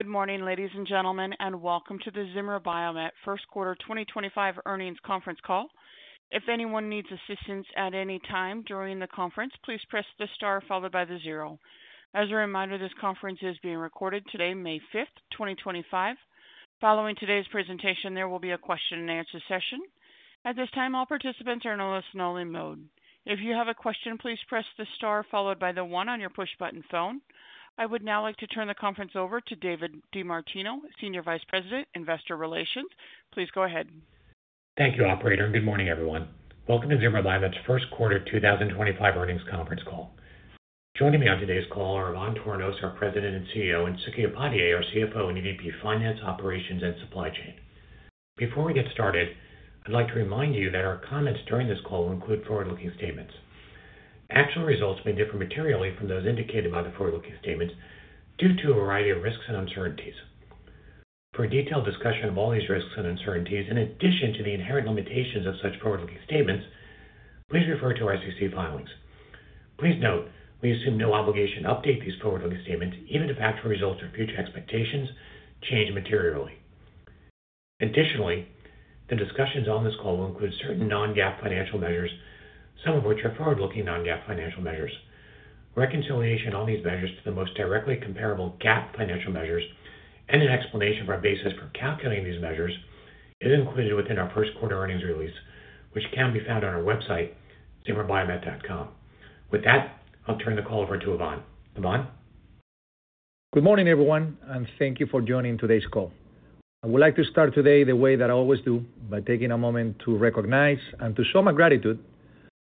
Good morning, ladies and gentlemen, and welcome to the Zimmer Biomet Q1 2025 Earnings Conference Call. If anyone needs assistance at any time during the conference, please press the star followed by the zero. As a reminder, this conference is being recorded today, 5 May 2025. Following today's presentation, there will be a question-and-answer session. At this time, all participants are in a listen-only mode. If you have a question, please press the star followed by the one on your push-button phone. I would now like to turn the conference over to David DeMartino, Senior Vice President, Investor Relations. Please go ahead. Thank you, Operator. Good morning, everyone. Welcome to Zimmer Biomet's Q1 2025 Earnings Conference Call. Joining me on today's call are Ivan Tornos, our President and CEO, and Suky Upadhyay, our CFO and EVP of Finance, Operations, and Supply Chain. Before we get started, I'd like to remind you that our comments during this call will include forward-looking statements. Actual results may differ materially from those indicated by the forward-looking statements due to a variety of risks and uncertainties. For a detailed discussion of all these risks and uncertainties, in addition to the inherent limitations of such forward-looking statements, please refer to our SEC filings. Please note, we assume no obligation to update these forward-looking statements, even if actual results or future expectations change materially. Additionally, the discussions on this call will include certain non-GAAP financial measures, some of which are forward-looking non-GAAP financial measures. Reconciliation on these measures to the most directly comparable GAAP financial measures and an explanation of our basis for calculating these measures is included within our Q1 earnings release, which can be found on our website, zimmerbiomet.com. With that, I'll turn the call over to Ivan. Ivan? Good morning, everyone, and thank you for joining today's call. I would like to start today the way that I always do, by taking a moment to recognize and to show my gratitude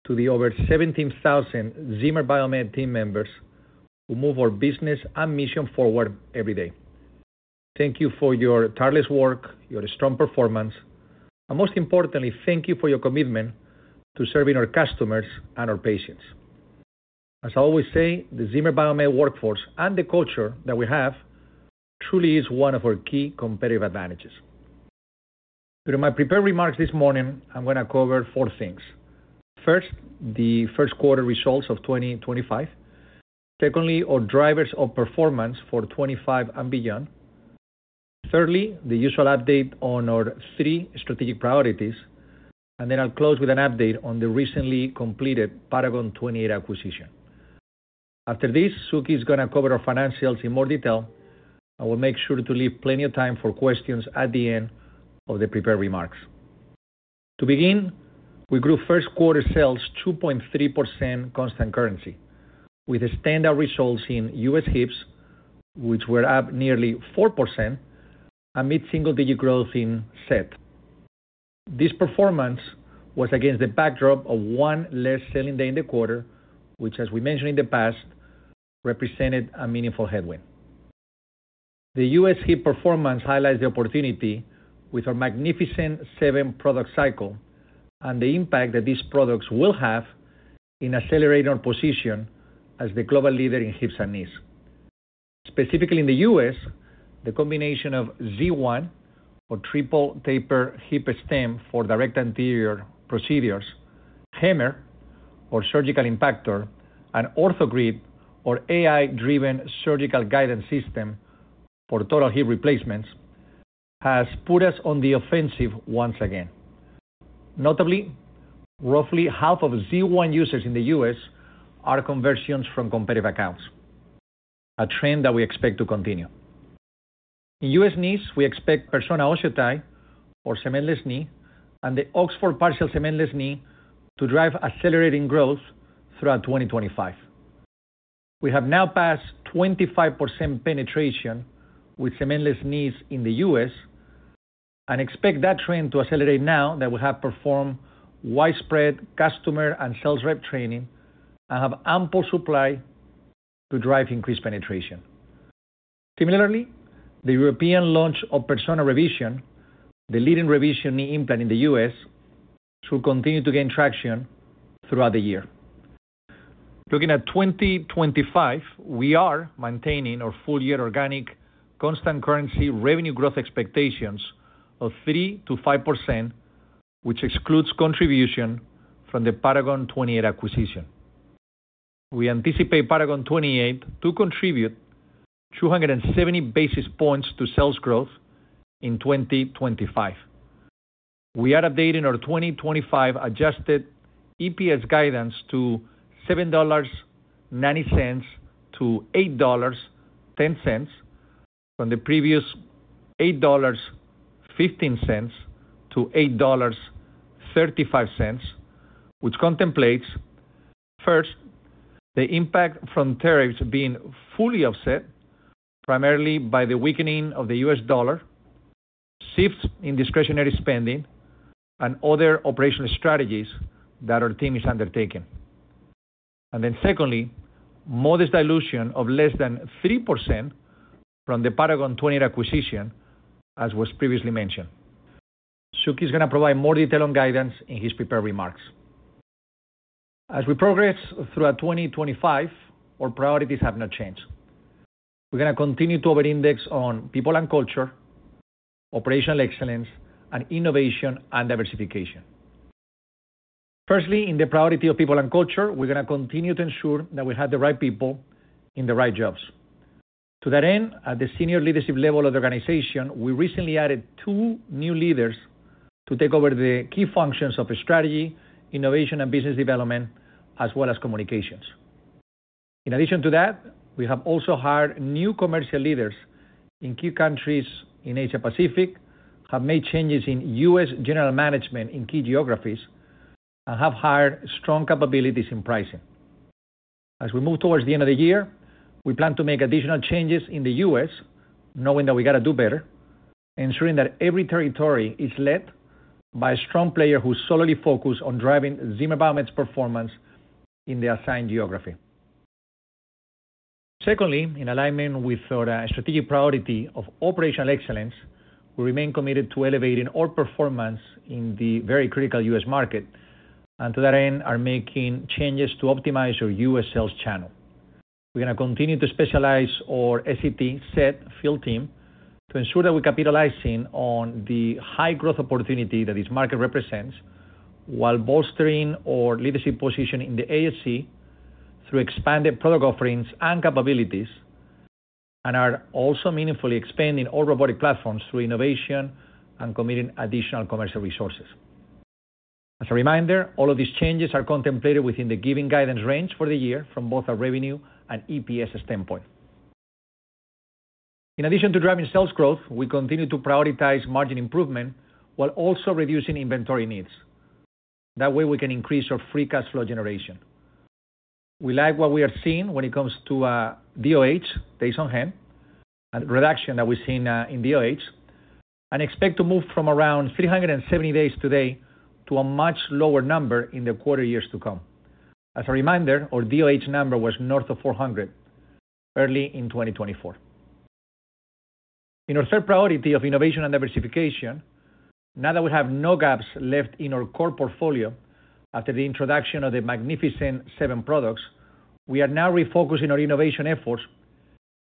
to the over 17,000 Zimmer Biomet team members who move our business and mission forward every day. Thank you for your tireless work, your strong performance, and most importantly, thank you for your commitment to serving our customers and our patients. As I always say, the Zimmer Biomet workforce and the culture that we have truly is one of our key competitive advantages. During my prepared remarks this morning, I'm going to cover four things. First, the Q1 results of 2025. Secondly, our drivers of performance for 2025 and beyond. Thirdly, the usual update on our three strategic priorities. Then I'll close with an update on the recently completed Paragon 28 acquisition. After this, Suky is going to cover our financials in more detail. I will make sure to leave plenty of time for questions at the end of the prepared remarks. To begin, we grew Q1 sales 2.3% constant currency, with standout results in U.S. Hips, which were up nearly 4%, and mid-single-digit growth in SET This performance was against the backdrop of one less selling day in the quarter, which, as we mentioned in the past, represented a meaningful headwind. The US Hips performance highlights the opportunity with our Magnificent Seven product cycle and the impact that these products will have in accelerating our position as the global leader in Hips and Knees. Specifically in the U.S., the combination of Z1, or triple taper Hips stem for direct anterior procedures, HAMMR, or surgical impactor, and OrthoGrid, or AI-driven surgical guidance system for total hip replacements, has put us on the offensive once again. Notably, roughly half of Z1 users in the U.S. are conversions from competitive accounts, a trend that we expect to continue. In U.S. Knees, we expect Persona OsseoTi, or cementless knee, and the Oxford Partial Cementless Knee to drive accelerating growth throughout 2025. We have now passed 25% penetration with cementless knees in the U.S. and expect that trend to accelerate now that we have performed widespread customer and sales rep training and have ample supply to drive increased penetration. Similarly, the European launch of Persona Revision, the leading revision knee implant in the U.S., should continue to gain traction throughout the year. Looking at 2025, we are maintaining our full-year organic constant currency revenue growth expectations of 3% to 5%, which excludes contribution from the Paragon 28 acquisition. We anticipate Paragon 28 to contribute 270 basis points to sales growth in 2025. We are updating our 2025 adjusted EPS guidance to $7.90 to $8.10 from the previous $8.15 to $8.35, which contemplates, first, the impact from tariffs being fully offset, primarily by the weakening of the US dollar, shifts in discretionary spending, and other operational strategies that our team is undertaking. Secondly, modest dilution of less than 3% from the Paragon 28 acquisition, as was previously mentioned. Suky is going to provide more detailed guidance in his prepared remarks. As we progress throughout 2025, our priorities have not changed. We're going to continue to over-index on people and culture, operational excellence, and innovation and diversification. Firstly, in the priority of people and culture, we're going to continue to ensure that we have the right people in the right jobs. To that end, at the senior leadership level of the organization, we recently added two new leaders to take over the key functions of strategy, innovation, and business development, as well as communications. In addition to that, we have also hired new commercial leaders in key countries in Asia-Pacific, have made changes in US general management in key geographies, and have hired strong capabilities in pricing. As we move towards the end of the year, we plan to make additional changes in the US, knowing that we got to do better, ensuring that every territory is led by a strong player who's solidly focused on driving Zimmer Biomet's performance in the assigned geography. Secondly, in alignment with our strategic priority of operational excellence, we remain committed to elevating our performance in the very critical US market, and to that end, are making changes to optimize our US sales channel. We're going to continue to specialize our S.E.T., S.E.T., Field Team to ensure that we're capitalizing on the high growth opportunity that this market represents while bolstering our leadership position in the ASC through expanded product offerings and capabilities, and are also meaningfully expanding our robotic platforms through innovation and committing additional commercial resources. As a reminder, all of these changes are contemplated within the given guidance range for the year from both a revenue and EPS standpoint. In addition to driving sales growth, we continue to prioritize margin improvement while also reducing inventory needs. That way, we can increase our free cash flow generation. We like what we are seeing when it comes to DOH, Days on Hand, and the reduction that we've seen in DOH, and expect to move from around 370 days today to a much lower number in the quarter years to come. As a reminder, our DOH number was north of 400 early in 2024. In our third priority of innovation and diversification, now that we have no gaps left in our core portfolio after the introduction of the Magnificent Seven products, we are now refocusing our innovation efforts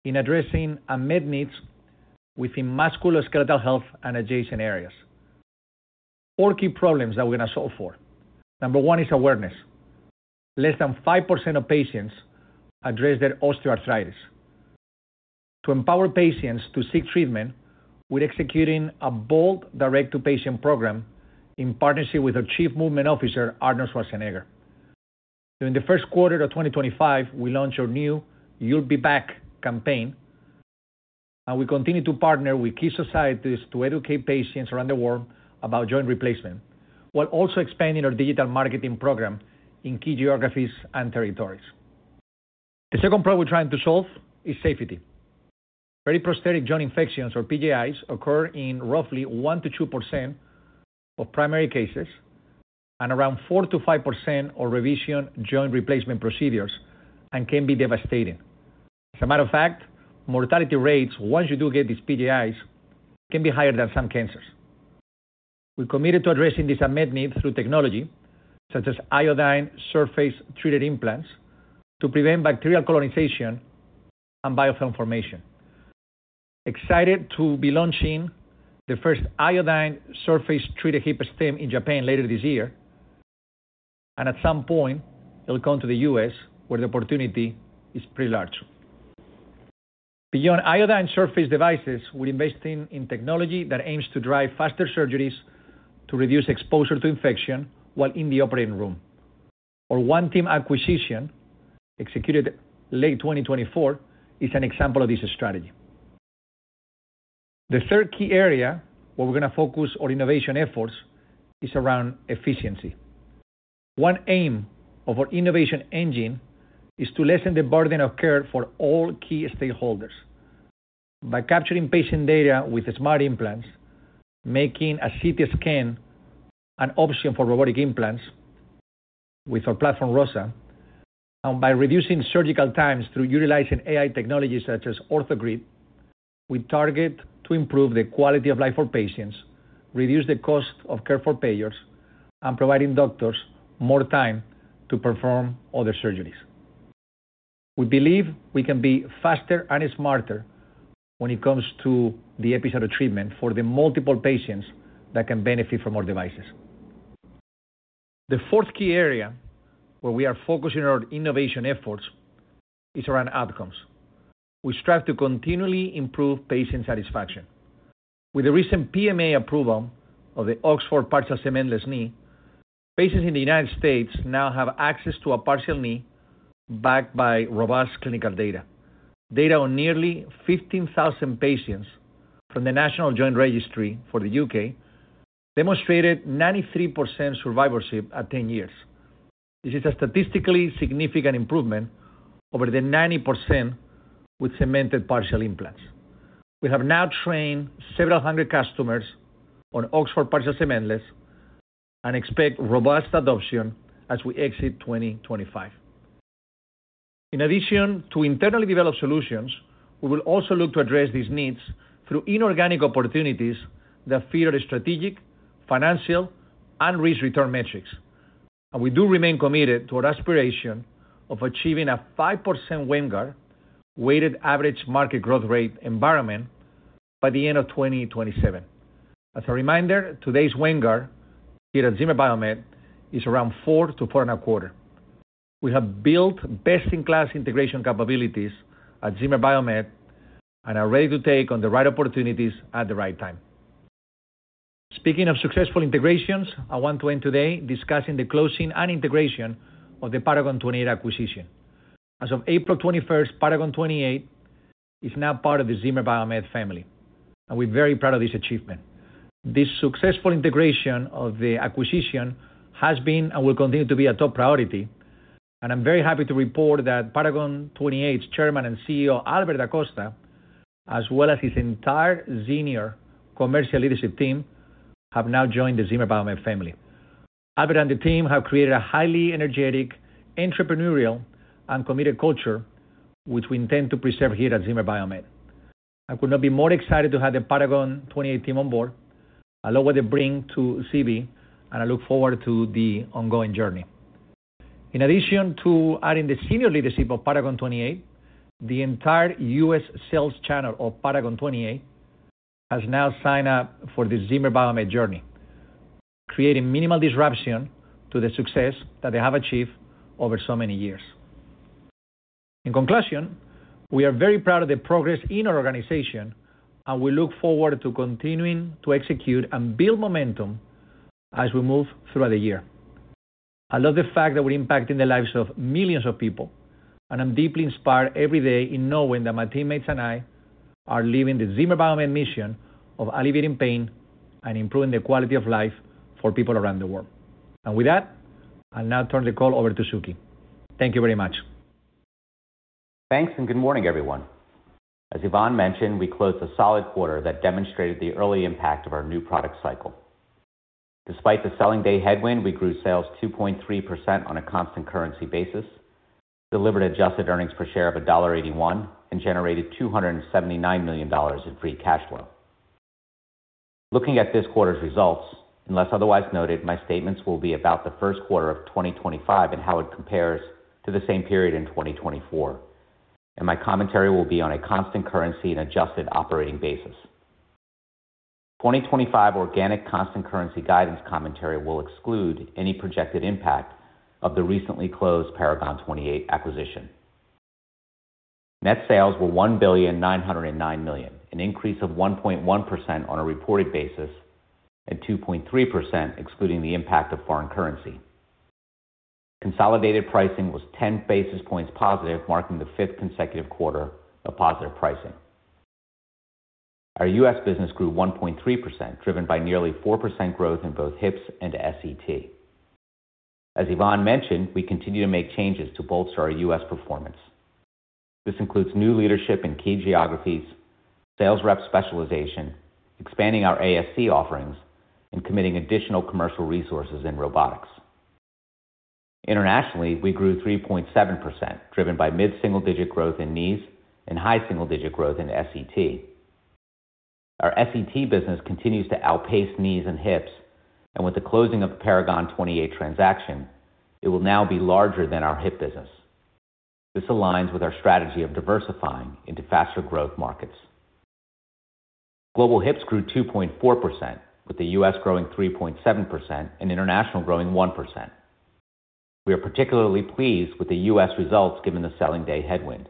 in addressing unmet needs within musculoskeletal health and adjacent areas. Four key problems that we're going to solve for. Number one is awareness. Less than 5% of patients address their osteoarthritis. To empower patients to seek treatment, we're executing a bold direct-to-patient program in partnership with our Chief Movement Officer, Arnold Schwarzenegger. During the Q1 of 2025, we launched our new You'll Be Back campaign, and we continue to partner with key societies to educate patients around the world about joint replacement, while also expanding our digital marketing program in key geographies and territories. The second problem we're trying to solve is safety. Very prosthetic joint infections, or PJIs, occur in roughly 1%-2% of primary cases, and around 4%-5% are revision joint replacement procedures and can be devastating. As a matter of fact, mortality rates, once you do get these PJIs, can be higher than some cancers. We're committed to addressing this unmet need through technology, such as iodine surface-treated implants, to prevent bacterial colonization and biofilm formation. Excited to be launching the first iodine surface-treated hip stem in Japan later this year, and at some point, it'll come to the US, where the opportunity is pretty large. Beyond iodine surface devices, we're investing in technology that aims to drive faster surgeries to reduce exposure to infection while in the operating room. Our OneTeam acquisition, executed late 2024, is an example of this strategy. The third key area where we're going to focus our innovation efforts is around efficiency. One aim of our innovation engine is to lessen the burden of care for all key stakeholders. By capturing patient data with smart implants, making a CT scan an option for robotic implants with our platform, ROSA, and by reducing surgical times through utilizing AI technologies such as OrthoGrip, we target to improve the quality of life for patients, reduce the cost of care for payers, and provide doctors more time to perform other surgeries. We believe we can be faster and smarter when it comes to the episode of treatment for the multiple patients that can benefit from our devices. The fourth key area where we are focusing our innovation efforts is around outcomes. We strive to continually improve patient satisfaction. With the recent PMA approval of the Oxford Partial Cementless Knee, patients in the United States now have access to a partial knee backed by robust clinical data. Data on nearly 15,000 patients from the National Joint Registry for the U.K. demonstrated 93% survivorship at 10 years. This is a statistically significant improvement over the 90% with cemented partial implants. We have now trained several hundred customers on Oxford Partial Cementless and expect robust adoption as we exit 2025. In addition to internally developed solutions, we will also look to address these needs through inorganic opportunities that feed our strategic, financial, and risk-return metrics. We do remain committed to our aspiration of achieving a 5% WAMGR weighted average market growth rate environment by the end of 2027. As a reminder, today's WAMGR here at Zimmer Biomet is around 4%-4.25%. We have built best-in-class integration capabilities at Zimmer Biomet and are ready to take on the right opportunities at the right time. Speaking of successful integrations, I want to end today discussing the closing and integration of the Paragon 28 acquisition. As of April 21, Paragon 28 is now part of the Zimmer Biomet family, and we're very proud of this achievement. This successful integration of the acquisition has been and will continue to be a top priority, and I'm very happy to report that Paragon 28's Chairman and CEO, Albert DaCosta, as well as his entire senior commercial leadership team, have now joined the Zimmer Biomet family. Albert and the team have created a highly energetic, entrepreneurial, and committed culture, which we intend to preserve here at Zimmer Biomet. I could not be more excited to have the Paragon 28 team on board. I love what they bring to Zimmer Biomet, and I look forward to the ongoing journey. In addition to adding the senior leadership of Paragon 28, the entire US sales channel of Paragon 28 has now signed up for the Zimmer Biomet journey, creating minimal disruption to the success that they have achieved over so many years. In conclusion, we are very proud of the progress in our organization, and we look forward to continuing to execute and build momentum as we move throughout the year. I love the fact that we're impacting the lives of millions of people, and I'm deeply inspired every day in knowing that my teammates and I are living the Zimmer Biomet mission of alleviating pain and improving the quality of life for people around the world. I will now turn the call over to Suky. Thank you very much. Thanks, and good morning, everyone. As Ivan mentioned, we closed a solid quarter that demonstrated the early impact of our new product cycle. Despite the selling-day headwind, we grew sales 2.3% on a constant currency basis, delivered adjusted earnings per share of $1.81, and generated $279 million in free cash flow. Looking at this quarter's results, unless otherwise noted, my statements will be about the Q1 of 2025 and how it compares to the same period in 2024, and my commentary will be on a constant currency and adjusted operating basis. 2025 organic constant currency guidance commentary will exclude any projected impact of the recently closed Paragon 28 acquisition. Net sales were $1,909 million, an increase of 1.1% on a reported basis and 2.3% excluding the impact of foreign currency. Consolidated pricing was 10 basis points positive, marking the fifth consecutive quarter of positive pricing. Our US business grew 1.3%, driven by nearly 4% growth in both hips and S.E.T. As Ivan mentioned, we continue to make changes to bolster our US performance. This includes new leadership in key geographies, sales rep specialization, expanding our ASC offerings, and committing additional commercial resources in robotics. Internationally, we grew 3.7%, driven by mid-single-digit growth in knees and high single-digit growth in S.E.T. Our S.E.T. business continues to outpace knees and hips, and with the closing of the Paragon 28 transaction, it will now be larger than our hip business. This aligns with our strategy of diversifying into faster growth markets. Global hips grew 2.4%, with the US growing 3.7% and international growing 1%. We are particularly pleased with the US results given the selling-day headwind.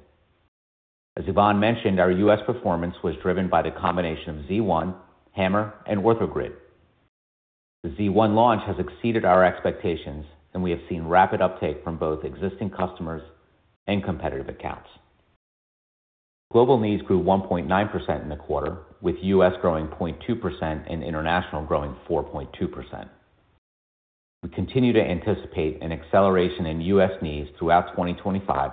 As Ivan mentioned, our US performance was driven by the combination of Z1, Hammer, and OrthoGrid. The Z1 launch has exceeded our expectations, and we have seen rapid uptake from both existing customers and competitive accounts. Global knees grew 1.9% in the quarter, with U.S. growing 0.2% and international growing 4.2%. We continue to anticipate an acceleration in U.S. knees throughout 2025,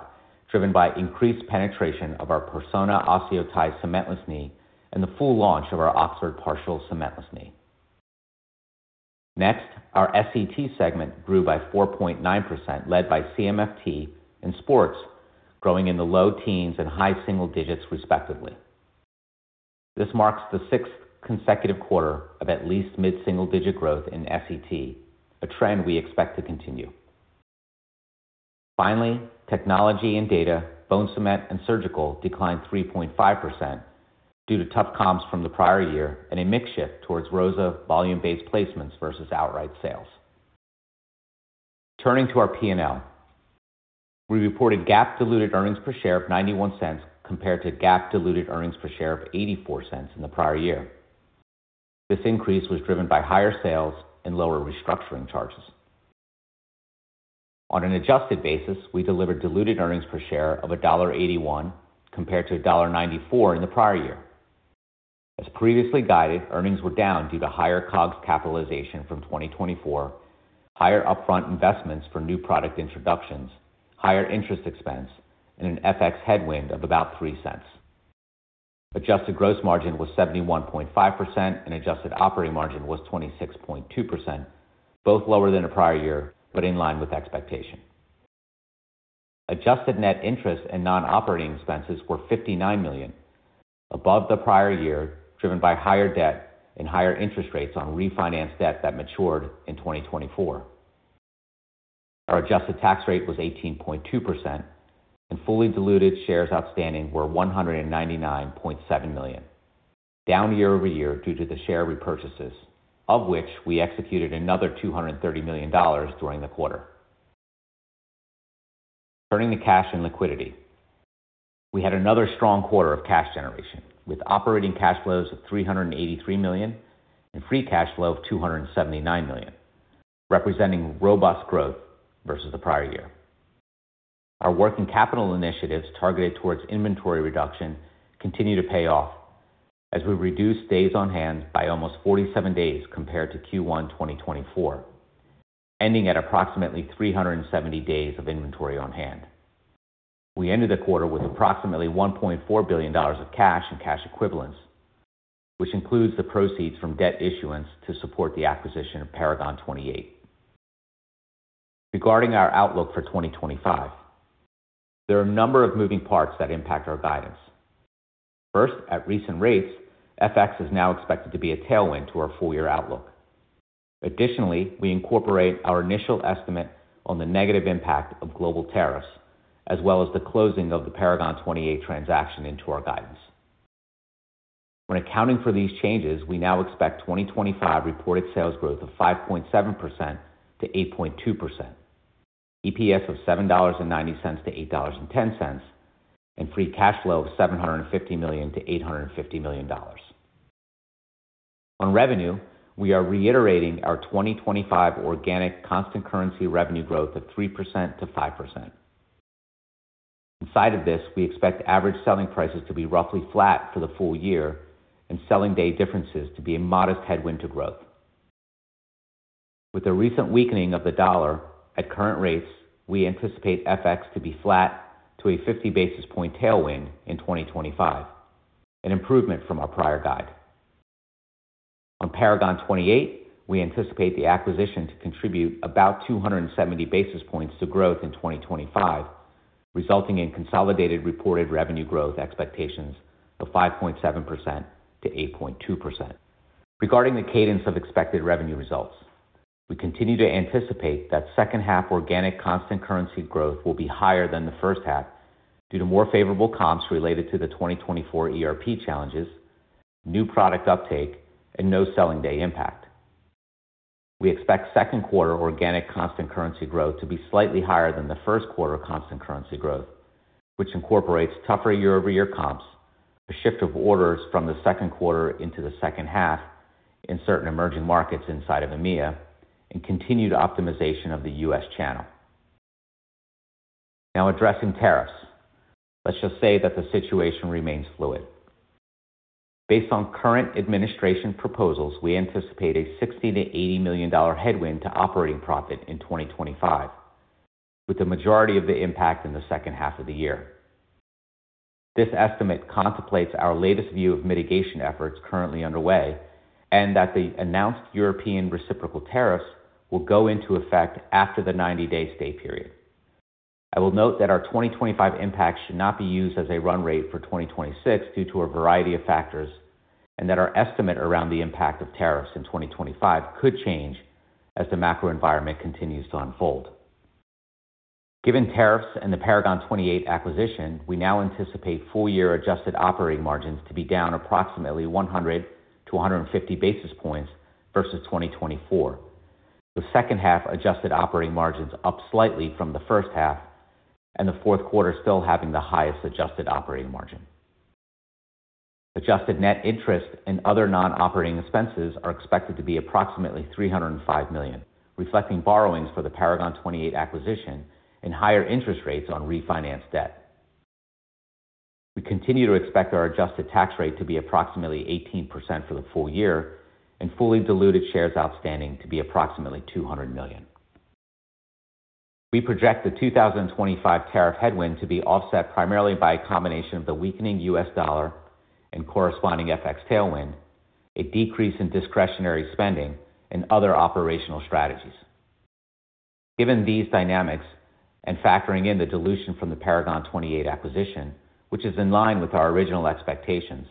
driven by increased penetration of our Persona OsseoTi Cementless Knee and the full launch of our Oxford Partial Cementless Knee. Next, our S.E.T. segment grew by 4.9%, led by CMF and Sports, growing in the low teens and high single digits, respectively. This marks the sixth consecutive quarter of at least mid-single-digit growth in S.E.T., a trend we expect to continue. Finally, technology and data, bone cement and surgical declined 3.5% due to tough comps from the prior year and a mixture towards ROSA volume-based placements versus outright sales. Turning to our P&L, we reported GAAP-diluted earnings per share of $0.91 compared to GAAP-diluted earnings per share of $0.84 in the prior year. This increase was driven by higher sales and lower restructuring charges. On an adjusted basis, we delivered diluted earnings per share of $1.81 compared to $1.94 in the prior year. As previously guided, earnings were down due to higher COGS capitalization from 2024, higher upfront investments for new product introductions, higher interest expense, and an FX headwind of about $0.03. Adjusted gross margin was 71.5%, and adjusted operating margin was 26.2%, both lower than the prior year, but in line with expectation. Adjusted net interest and non-operating expenses were $59 million, above the prior year, driven by higher debt and higher interest rates on refinanced debt that matured in 2024. Our adjusted tax rate was 18.2%, and fully diluted shares outstanding were 199.7 million, down year over year due to the share repurchases, of which we executed another $230 million during the quarter. Turning to cash and liquidity, we had another strong quarter of cash generation, with operating cash flows of $383 million and free cash flow of $279 million, representing robust growth versus the prior year. Our working capital initiatives targeted towards inventory reduction continue to pay off as we reduce days on hand by almost 47 days compared to Q1 2024, ending at approximately 370 days of inventory on hand. We ended the quarter with approximately $1.4 billion of cash and cash equivalents, which includes the proceeds from debt issuance to support the acquisition of Paragon 28. Regarding our outlook for 2025, there are a number of moving parts that impact our guidance. First, at recent rates, FX is now expected to be a tailwind to our full-year outlook. Additionally, we incorporate our initial estimate on the negative impact of global tariffs, as well as the closing of the Paragon 28 transaction into our guidance. When accounting for these changes, we now expect 2025 reported sales growth of 5.7%-8.2%, EPS of $7.90-$8.10, and free cash flow of $750 million-$850 million. On revenue, we are reiterating our 2025 organic constant currency revenue growth of 3%-5%. Inside of this, we expect average selling prices to be roughly flat for the full year and selling-day differences to be a modest headwind to growth. With the recent weakening of the dollar, at current rates, we anticipate FX to be flat to a 50 basis point tailwind in 2025, an improvement from our prior guide. On Paragon 28, we anticipate the acquisition to contribute about 270 basis points to growth in 2025, resulting in consolidated reported revenue growth expectations of 5.7%-8.2%. Regarding the cadence of expected revenue results, we continue to anticipate that second-half organic constant currency growth will be higher than the first half due to more favorable comps related to the 2024 ERP challenges, new product uptake, and no selling-day impact. We expect Q2 organic constant currency growth to be slightly higher than the Q1 constant currency growth, which incorporates tougher year-over-year comps, a shift of orders from the Q2 into the second half in certain emerging markets inside of EMEA, and continued optimization of the US channel. Now, addressing tariffs, let's just say that the situation remains fluid. Based on current administration proposals, we anticipate a $60-$80 million headwind to operating profit in 2025, with the majority of the impact in the second half of the year. This estimate contemplates our latest view of mitigation efforts currently underway and that the announced European reciprocal tariffs will go into effect after the 90-day stay period. I will note that our 2025 impact should not be used as a run rate for 2026 due to a variety of factors and that our estimate around the impact of tariffs in 2025 could change as the macro environment continues to unfold. Given tariffs and the Paragon 28 acquisition, we now anticipate full-year adjusted operating margins to be down approximately 100-150 basis points versus 2024, with second-half adjusted operating margins up slightly from the first half and the Q4 still having the highest adjusted operating margin. Adjusted net interest and other non-operating expenses are expected to be approximately $305 million, reflecting borrowings for the Paragon 28 acquisition and higher interest rates on refinanced debt. We continue to expect our adjusted tax rate to be approximately 18% for the full year and fully diluted shares outstanding to be approximately 200 million. We project the 2025 tariff headwind to be offset primarily by a combination of the weakening US dollar and corresponding FX tailwind, a decrease in discretionary spending, and other operational strategies. Given these dynamics and factoring in the dilution from the Paragon 28 acquisition, which is in line with our original expectations,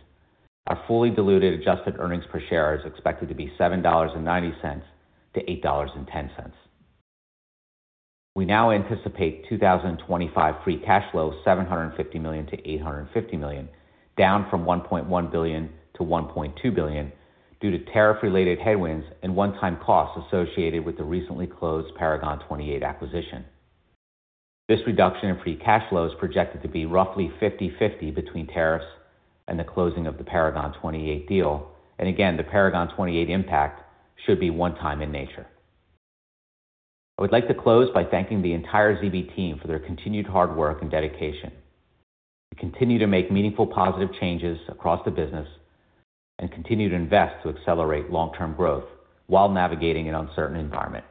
our fully diluted adjusted earnings per share is expected to be $7.90-$8.10. We now anticipate 2025 free cash flow of $750 million-$850 million, down from $1.1 billion-$1.2 billion due to tariff-related headwinds and one-time costs associated with the recently closed Paragon 28 acquisition. This reduction in free cash flow is projected to be roughly 50/50 between tariffs and the closing of the Paragon 28 deal, and again, the Paragon 28 impact should be one-time in nature. I would like to close by thanking the entire ZB team for their continued hard work and dedication. We continue to make meaningful positive changes across the business and continue to invest to accelerate long-term growth while navigating an uncertain environment.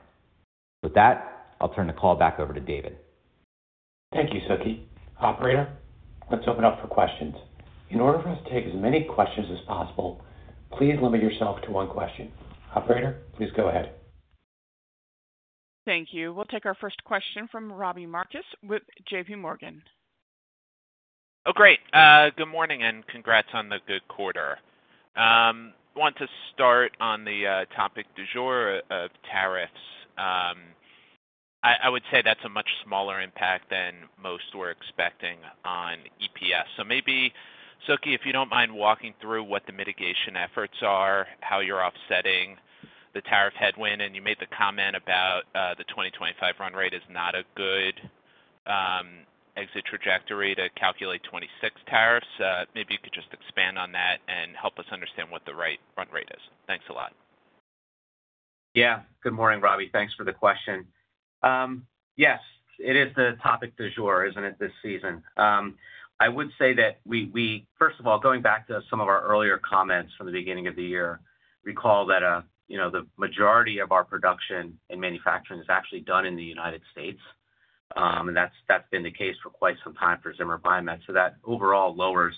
With that, I'll turn the call back over to David. Thank you, Suky. Operator, let's open up for questions. In order for us to take as many questions as possible, please limit yourself to one question. Operator, please go ahead. Thank you. We'll take our first question from Robbie Marcus with JP Morgan. Oh, great. Good morning and congrats on the good quarter. I want to start on the topic du jour of tariffs. I would say that's a much smaller impact than most were expecting on EPS. Maybe, Suky, if you don't mind walking through what the mitigation efforts are, how you're offsetting the tariff headwind, and you made the comment about the 2025 run rate is not a good exit trajectory to calculate 26 tariffs. Maybe you could just expand on that and help us understand what the right run rate is. Thanks a lot. Yeah. Good morning, Robbie. Thanks for the question. Yes, it is the topic du jour, isn't it, this season? I would say that we, first of all, going back to some of our earlier comments from the beginning of the year, recall that the majority of our production and manufacturing is actually done in the United States, and that's been the case for quite some time for Zimmer Biomet. That overall lowers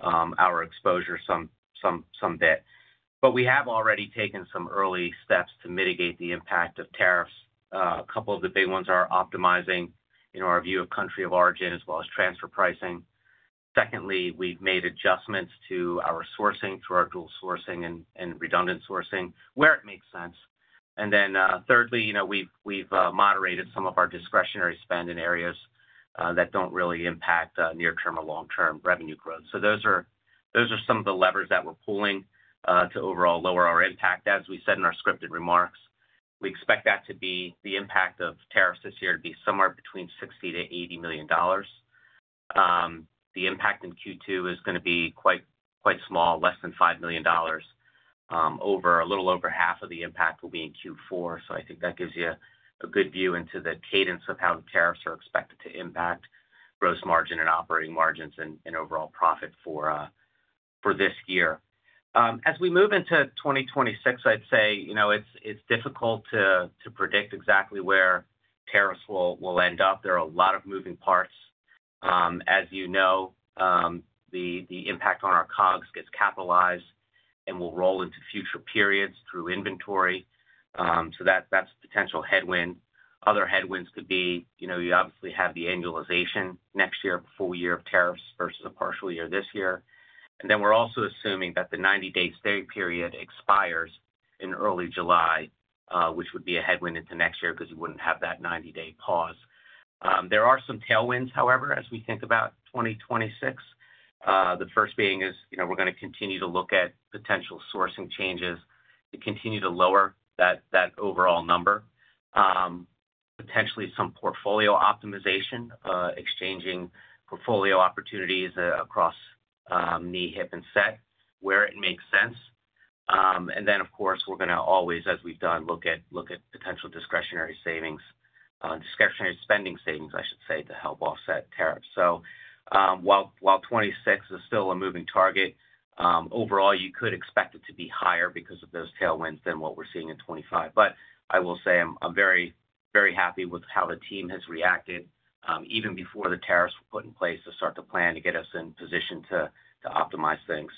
our exposure some bit. We have already taken some early steps to mitigate the impact of tariffs. A couple of the big ones are optimizing our view of country of origin as well as transfer pricing. Secondly, we've made adjustments to our sourcing through our dual sourcing and redundant sourcing where it makes sense. Thirdly, we've moderated some of our discretionary spend in areas that don't really impact near-term or long-term revenue growth. Those are some of the levers that we're pulling to overall lower our impact. As we said in our scripted remarks, we expect that to be the impact of tariffs this year to be somewhere between $60 to 80 million. The impact in Q2 is going to be quite small, less than $5 million. A little over half of the impact will be in Q4. I think that gives you a good view into the cadence of how the tariffs are expected to impact gross margin and operating margins and overall profit for this year. As we move into 2026, I'd say it's difficult to predict exactly where tariffs will end up. There are a lot of moving parts. As you know, the impact on our COGS gets capitalized and will roll into future periods through inventory. That's a potential headwind. Other headwinds could be you obviously have the annualization next year of the full year of tariffs versus a partial year this year. We are also assuming that the 90-day stay period expires in early July, which would be a headwind into next year because you would not have that 90-day pause. There are some tailwinds, however, as we think about 2026. The first being is we are going to continue to look at potential sourcing changes to continue to lower that overall number, potentially some portfolio optimization, exchanging portfolio opportunities across knee, hip, and set where it makes sense. Of course, we are going to always, as we have done, look at potential discretionary savings, discretionary spending savings, I should say, to help offset tariffs. While 2026 is still a moving target, overall, you could expect it to be higher because of those tailwinds than what we're seeing in 2025. I will say I'm very happy with how the team has reacted even before the tariffs were put in place to start to plan to get us in position to optimize things.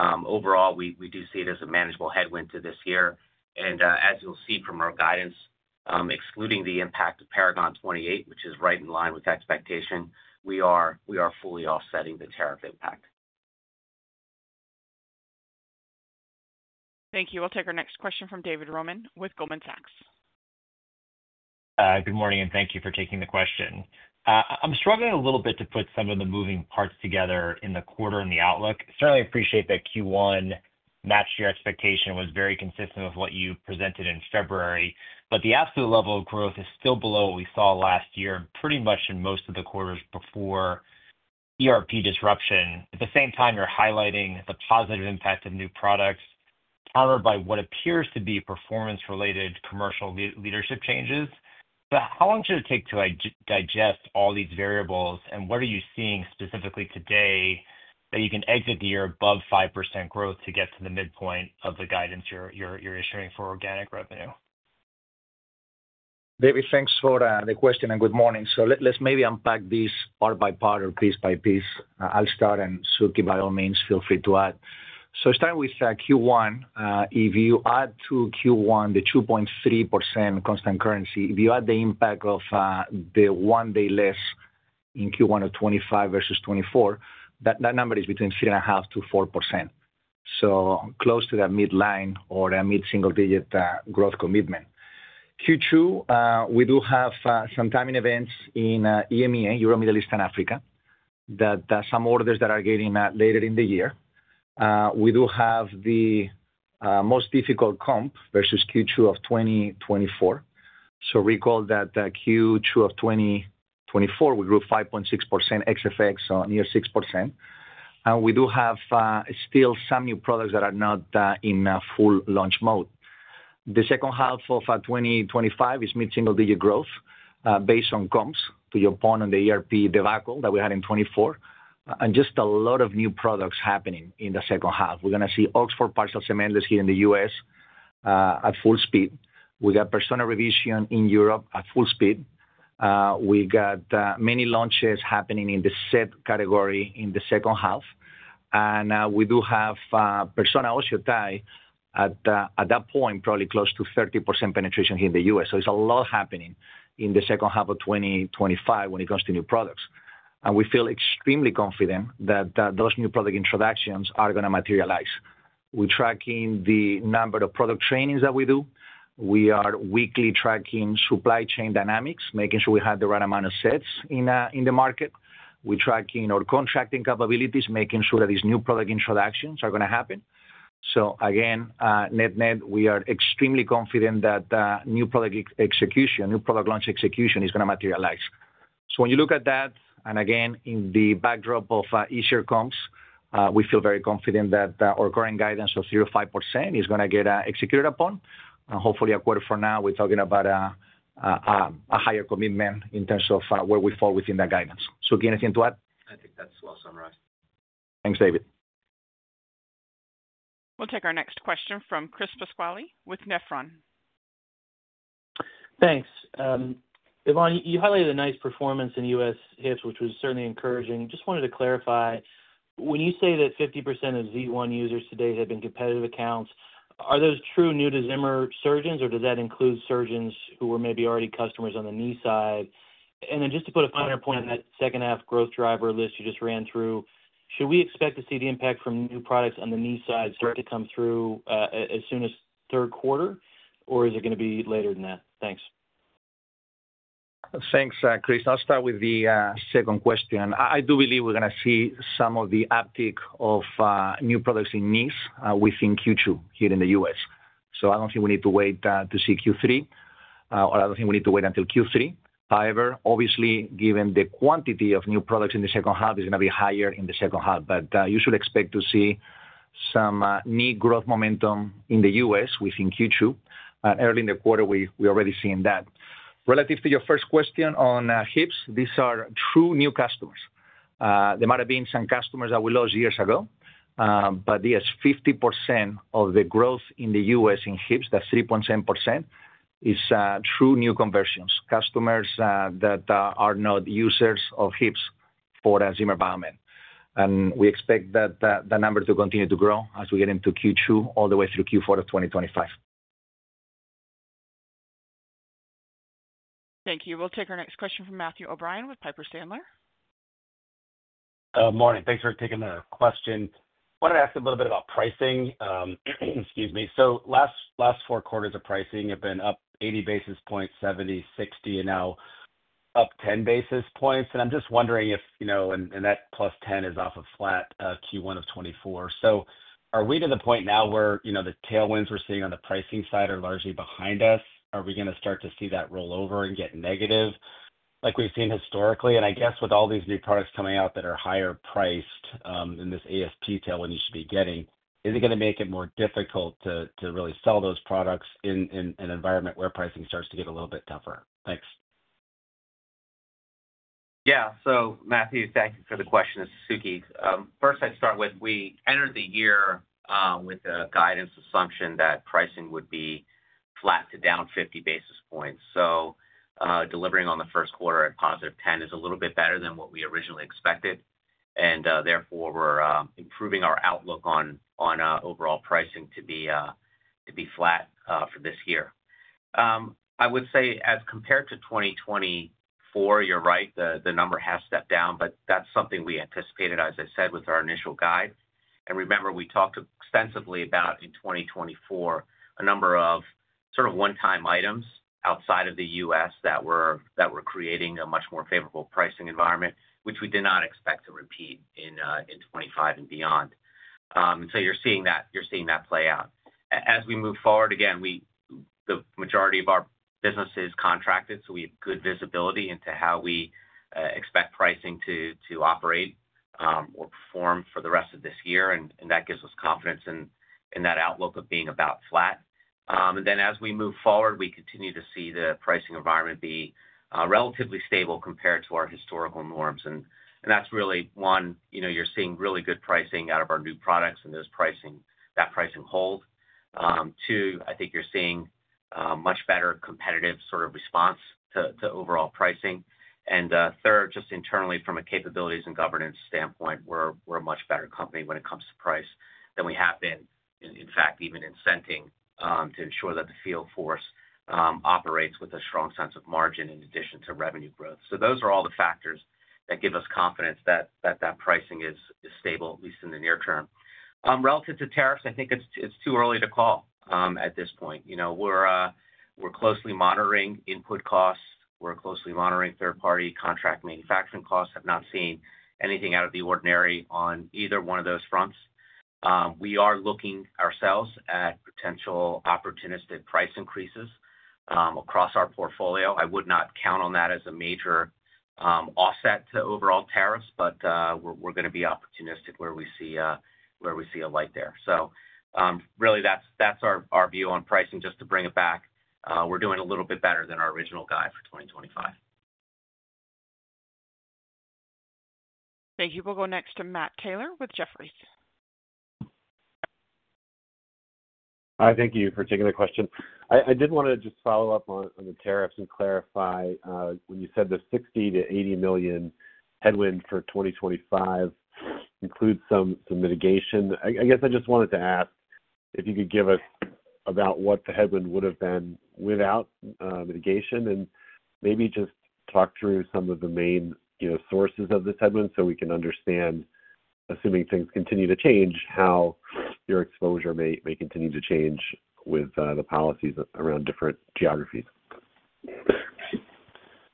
Overall, we do see it as a manageable headwind to this year. As you'll see from our guidance, excluding the impact of Paragon 28, which is right in line with expectation, we are fully offsetting the tariff impact. Thank you. We'll take our next question from David Roman with Goldman Sachs. Good morning, and thank you for taking the question. I'm struggling a little bit to put some of the moving parts together in the quarter and the outlook. Certainly appreciate that Q1 matched your expectation and was very consistent with what you presented in February. The absolute level of growth is still below what we saw last year and pretty much in most of the quarters before ERP disruption. At the same time, you're highlighting the positive impact of new products countered by what appears to be performance-related commercial leadership changes. How long should it take to digest all these variables, and what are you seeing specifically today that you can exit the year above 5% growth to get to the midpoint of the guidance you're issuing for organic revenue? David, thanks for the question and good morning. Let's maybe unpack this part by part or piece by piece. I'll start, and Suky, by all means, feel free to add. Starting with Q1, if you add to Q1 the 2.3% constant currency, if you add the impact of the one day less in Q1 of 2025 versus 2024, that number is between 3.5%-4%. So close to that midline or that mid-single-digit growth commitment. Q2, we do have some timing events in EMEA, that some orders that are getting later in the year. We do have the most difficult comp versus Q2 of 2024. Recall that Q2 of 2024, we grew 5.6% XFX, so near 6%. We do have still some new products that are not in full launch mode. The second half of 2025 is mid-single-digit growth based on comps to your point on the ERP debacle that we had in 2024, and just a lot of new products happening in the second half. We're going to see Oxford Partial Cementless Knee listed here in the US at full speed. We got Persona Revision in Europe at full speed. We got many launches happening in the S.E.T. category in the second half. We do have Persona OsseoTi at that point, probably close to 30% penetration here in the US. There is a lot happening in the second half of 2025 when it comes to new products. We feel extremely confident that those new product introductions are going to materialize. We're tracking the number of product trainings that we do. We are weekly tracking supply chain dynamics, making sure we have the right amount of sets in the market. We're tracking our contracting capabilities, making sure that these new product introductions are going to happen. Net-net, we are extremely confident that new product execution, new product launch execution is going to materialize. When you look at that, and again, in the backdrop of easier comps, we feel very confident that our current guidance of 0.5% is going to get executed upon. Hopefully, a quarter from now, we're talking about a higher commitment in terms of where we fall within that guidance. Suky, anything to add? I think that's well summarized. Thanks, David. We'll take our next question from Chris Pasquale with Nephron. Thanks. Yvonne, you highlighted a nice performance in US HIPS, which was certainly encouraging. Just wanted to clarify. When you say that 50% of Z1 users today have been competitive accounts, are those true new-to-Zimmer surgeons, or does that include surgeons who were maybe already customers on the knee side? Just to put a finer point on that second-half growth driver list you just ran through, should we expect to see the impact from new products on the knee side start to come through as soon as Q3, or is it going to be later than that? Thanks. Thanks, Chris. I'll start with the second question. I do believe we're going to see some of the uptick of new products in knees within Q2 here in the U.S. I don't think we need to wait to see Q3, or I don't think we need to wait until Q3. However, obviously, given the quantity of new products in the second half, it's going to be higher in the second half. You should expect to see some knee growth momentum in the U.S. within Q2. Early in the quarter, we're already seeing that. Relative to your first question on HIPS, these are true new customers. There might have been some customers that we lost years ago, but yes, 50% of the growth in the US in HIPS, that's 3.7%, is true new conversions, customers that are not users of HIPS for Zimmer Biomet. We expect that the number to continue to grow as we get into Q2 all the way through Q4 of 2025. Thank you. We'll take our next question from Matthew O'Brien with Piper Sandler. Morning. Thanks for taking the question. I want to ask a little bit about pricing. Excuse me. The last four quarters of pricing have been up 80 basis points, 70, 60, and now up 10 basis points. I'm just wondering if that plus 10 is off of flat Q1 of 2024. Are we to the point now where the tailwinds we're seeing on the pricing side are largely behind us? Are we going to start to see that roll over and get negative like we've seen historically? I guess with all these new products coming out that are higher priced than this ASP tailwind you should be getting, is it going to make it more difficult to really sell those products in an environment where pricing starts to get a little bit tougher? Thanks. Yeah. Matthew, thank you for the question. This is Suky. First, I'd start with we entered the year with the guidance assumption that pricing would be flat to down 50 basis points. Delivering on the Q1 at positive 10% is a little bit better than what we originally expected. Therefore, we're improving our outlook on overall pricing to be flat for this year. I would say as compared to 2024, you're right, the number has stepped down, but that's something we anticipated, as I said, with our initial guide. Remember, we talked extensively about in 2024, a number of sort of one-time items outside of the U.S. that were creating a much more favorable pricing environment, which we did not expect to repeat in 2025 and beyond. You're seeing that play out. As we move forward, again, the majority of our business is contracted, so we have good visibility into how we expect pricing to operate or perform for the rest of this year. That gives us confidence in that outlook of being about flat. As we move forward, we continue to see the pricing environment be relatively stable compared to our historical norms. That is really one, you are seeing really good pricing out of our new products and that pricing hold. Two, I think you are seeing much better competitive sort of response to overall pricing. Third, just internally from a capabilities and governance standpoint, we are a much better company when it comes to price than we have been, in fact, even incenting to ensure that the field force operates with a strong sense of margin in addition to revenue growth. Those are all the factors that give us confidence that pricing is stable, at least in the near term. Relative to tariffs, I think it is too early to call at this point. We are closely monitoring input costs. We are closely monitoring third-party contract manufacturing costs. I've not seen anything out of the ordinary on either one of those fronts. We are looking ourselves at potential opportunistic price increases across our portfolio. I would not count on that as a major offset to overall tariffs, but we're going to be opportunistic where we see a light there. That is our view on pricing. Just to bring it back, we're doing a little bit better than our original guide for 2025. Thank you. We'll go next to Matt Taylor with Jefferies. Hi. Thank you for taking the question. I did want to just follow up on the tariffs and clarify when you said the $60 to 80 million headwind for 2025 includes some mitigation. I guess I just wanted to ask if you could give us about what the headwind would have been without mitigation and maybe just talk through some of the main sources of this headwind so we can understand, assuming things continue to change, how your exposure may continue to change with the policies around different geographies.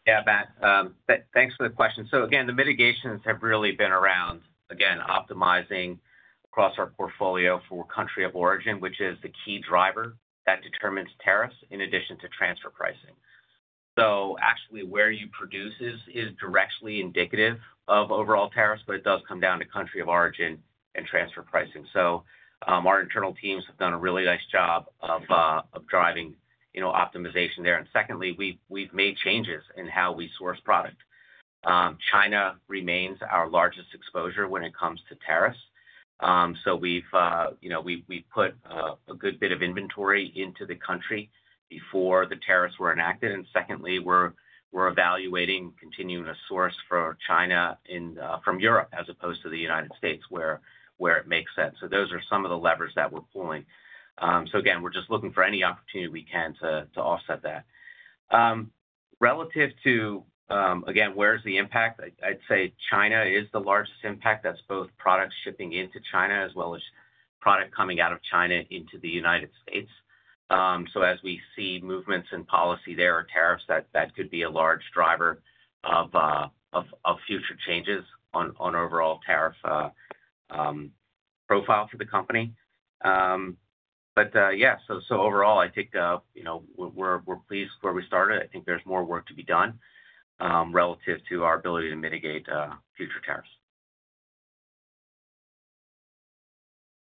Yeah, Matt. Thanks for the question. Again, the mitigations have really been around, again, optimizing across our portfolio for country of origin, which is the key driver that determines tariffs in addition to transfer pricing. Actually, where you produce is directly indicative of overall tariffs, but it does come down to country of origin and transfer pricing. Our internal teams have done a really nice job of driving optimization there. Secondly, we've made changes in how we source product. China remains our largest exposure when it comes to tariffs. We have put a good bit of inventory into the country before the tariffs were enacted. Secondly, we're evaluating continuing to source from Europe as opposed to the United States where it makes sense. Those are some of the levers that we're pulling. Again, we're just looking for any opportunity we can to offset that. Relative to where the impact is, I'd say China is the largest impact. That's both products shipping into China as well as product coming out of China into the United States. As we see movements in policy there or tariffs, that could be a large driver of future changes on overall tariff profile for the company. Overall, I think we're pleased where we started. I think there's more work to be done relative to our ability to mitigate future tariffs.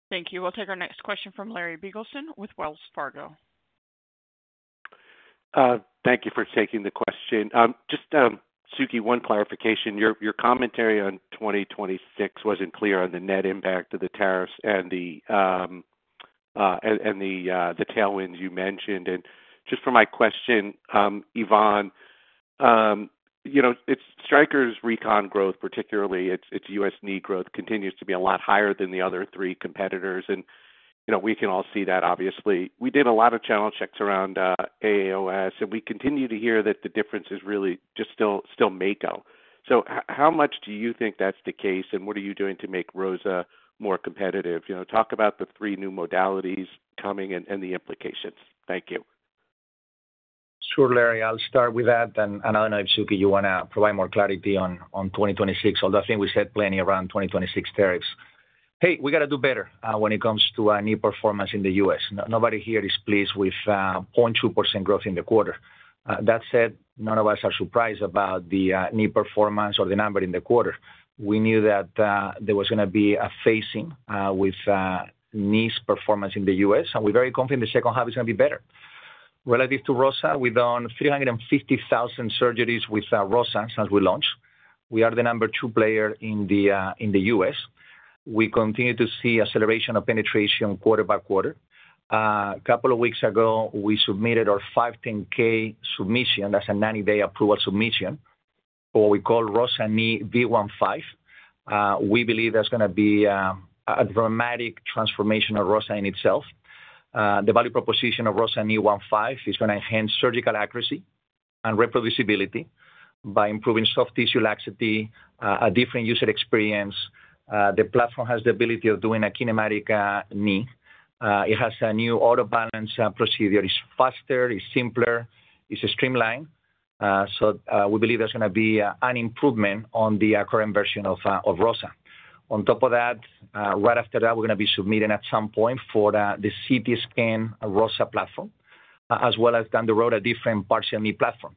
Thank you. We'll take our next question from Larry Biegelsen with Wells Fargo. Thank you for taking the question. Just, Suky, one clarification. Your commentary on 2026 was not clear on the net impact of the tariffs and the tailwinds you mentioned. Just for my question, Ivan, Stryker's recon growth, particularly its US knee growth, continues to be a lot higher than the other three competitors. We can all see that, obviously. We did a lot of channel checks around AAOS, and we continue to hear that the difference is really just still macro. How much do you think that is the case, and what are you doing to make ROSA more competitive? Talk about the three new modalities coming and the implications. Thank you. Sure, Larry. I'll start with that. I do not know if, Suky, you want to provide more clarity on 2026, although I think we said plenty around 2026 tariffs. We have to do better when it comes to knee performance in the U.S. Nobody here is pleased with 0.2% growth in the quarter. That said, none of us are surprised about the knee performance or the number in the quarter. We knew that there was going to be a phasing with knee's performance in the U.S., and we are very confident the second half is going to be better. Relative to ROSA, we have done 350,000 surgeries with ROSA since we launched. We are the number two player in the U.S. We continue to see acceleration of penetration quarter by quarter. A couple of weeks ago, we submitted our 510K submission. That is a 90-day approval submission for what we call ROSA Knee V15. We believe that's going to be a dramatic transformation of ROSA in itself. The value proposition of ROSA Knee V15 is going to enhance surgical accuracy and reproducibility by improving soft tissue laxity, a different user experience. The platform has the ability of doing a kinematic knee. It has a new auto balance procedure. It's faster. It's simpler. It's streamlined. We believe there's going to be an improvement on the current version of ROSA. On top of that, right after that, we're going to be submitting at some point for the CT scan ROSA platform, as well as down the road a different partial knee platform.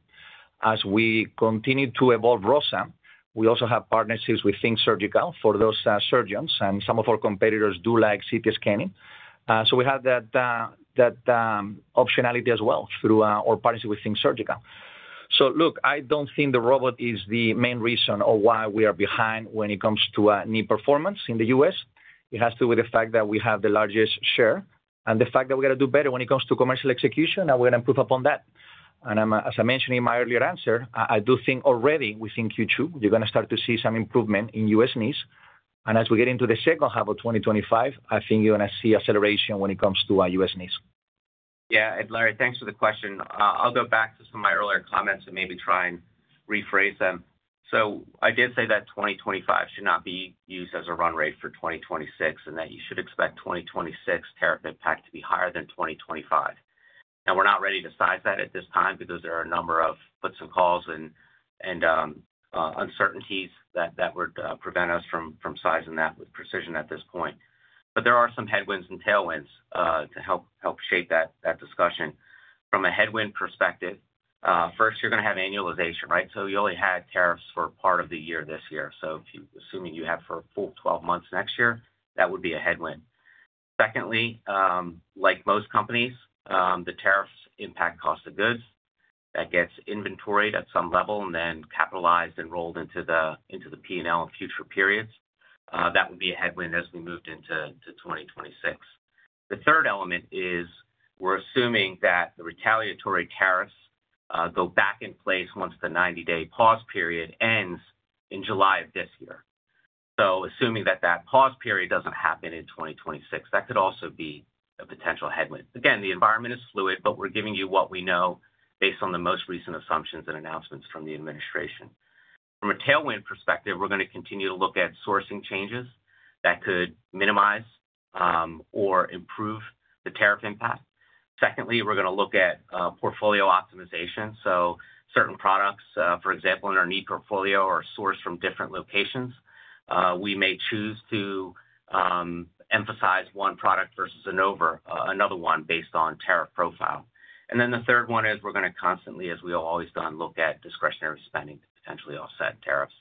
As we continue to evolve ROSA, we also have partnerships with Think Surgical for those surgeons, and some of our competitors do like CT scanning. We have that optionality as well through our partnership with Think Surgical. Look, I do not think the robot is the main reason or why we are behind when it comes to knee performance in the U.S. It has to do with the fact that we have the largest share and the fact that we got to do better when it comes to commercial execution, and we are going to improve upon that. As I mentioned in my earlier answer, I do think already within Q2, you are going to start to see some improvement in U.S. knees. As we get into the second half of 2025, I think you are going to see acceleration when it comes to U.S. knees. Yeah. Larry, thanks for the question. I will go back to some of my earlier comments and maybe try and rephrase them. I did say that 2025 should not be used as a run rate for 2026 and that you should expect 2026 tariff impact to be higher than 2025. Now, we're not ready to size that at this time because there are a number of puts and calls and uncertainties that would prevent us from sizing that with precision at this point. There are some headwinds and tailwinds to help shape that discussion. From a headwind perspective, first, you're going to have annualization, right? You only had tariffs for part of the year this year. Assuming you have for a full 12 months next year, that would be a headwind. Secondly, like most companies, the tariffs impact cost of goods. That gets inventoried at some level and then capitalized and rolled into the P&L in future periods. That would be a headwind as we moved into 2026. The third element is we're assuming that the retaliatory tariffs go back in place once the 90-day pause period ends in July of this year. Assuming that that pause period doesn't happen in 2026, that could also be a potential headwind. Again, the environment is fluid, but we're giving you what we know based on the most recent assumptions and announcements from the administration. From a tailwind perspective, we're going to continue to look at sourcing changes that could minimize or improve the tariff impact. Secondly, we're going to look at portfolio optimization. Certain products, for example, in our knee portfolio are sourced from different locations. We may choose to emphasize one product versus another one based on tariff profile. The third one is we're going to constantly, as we've always done, look at discretionary spending to potentially offset tariffs.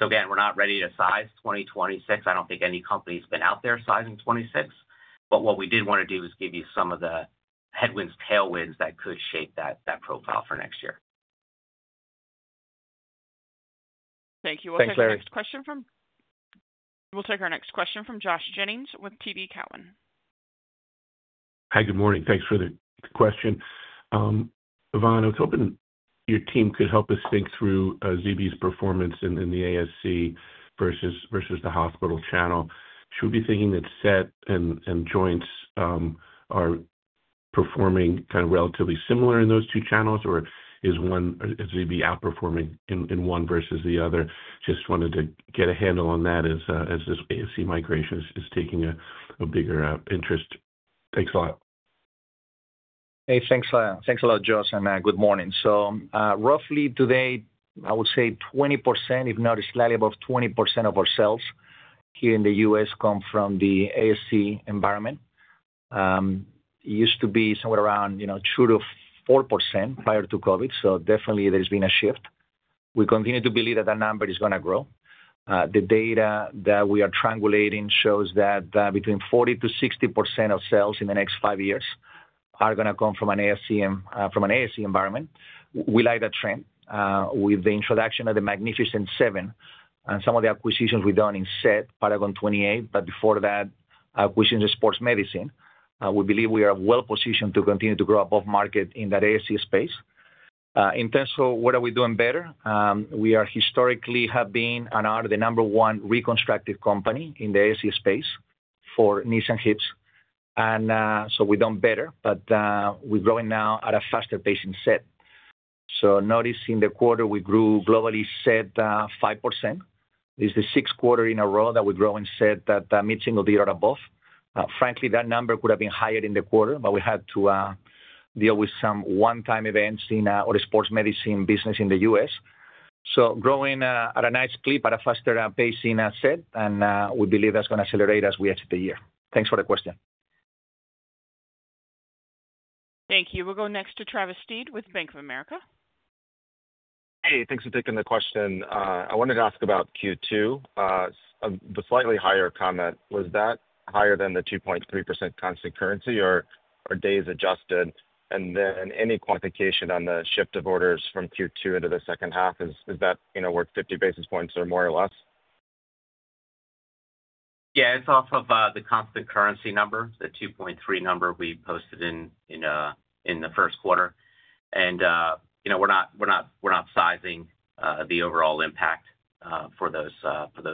Again, we're not ready to size 2026. I don't think any company has been out there sizing 2026. What we did want to do is give you some of the headwinds, tailwinds that could shape that profile for next year. Thank you. We'll take our next question from Josh Jennings with TD Cowen. Hi. Good morning. Thanks for the question. Ivan, I was hoping your team could help us think through ZB's performance in the ASC versus the hospital channel. Should we be thinking that S.E.T. and joints are performing kind of relatively similar in those two channels, or is ZB outperforming in one versus the other? Just wanted to get a handle on that as this ASC migration is taking a bigger interest. Thanks a lot. Hey, thanks a lot, Josh, and good morning. Roughly today, I would say 20%, if not slightly above 20%, of our sales here in the U.S. come from the ASC environment. It used to be somewhere around 2-4% prior to COVID, so definitely there's been a shift. We continue to believe that that number is going to grow. The data that we are triangulating shows that between 40-60% of sales in the next five years are going to come from an ASC environment. We like that trend. With the introduction of the Magnificent Seven and some of the acquisitions we've done in S.E.T., Paragon 28, but before that, acquisitions in sports medicine, we believe we are well-positioned to continue to grow above market in that ASC space. In terms of what are we doing better? We historically have been and are the number one reconstructed company in the ASC space for knees and hips. We have done better, but we are growing now at a faster pace in S.E.T. Notice in the quarter, we grew globally S.E.T. 5%. It is the Q6 in a row that we are growing S.E.T. that meets single digit or above. Frankly, that number could have been higher in the quarter, but we had to deal with some one-time events in the sports medicine business in the U.S. Growing at a nice clip at a faster pace in S.E.T., and we believe that is going to accelerate as we exit the year. Thanks for the question. Thank you. We will go next to Travis Steed with Bank of America. Hey, thanks for taking the question. I wanted to ask about Q2. The slightly higher comment, was that higher than the 2.3% constant currency or days adjusted? And then any quantification on the shift of orders from Q2 into the second half, is that worth 50 basis points or more or less? Yeah, it's off of the constant currency number, the 2.3% number we posted in the Q1. And we're not sizing the overall impact for those